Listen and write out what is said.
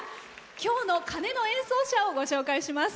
今日の鐘の演奏者をご紹介します。